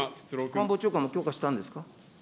官房長官も許可したんですか。